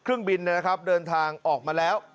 เครื่องบินเดินทางออกมาแล้ว